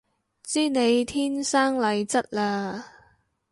知你天生麗質嘞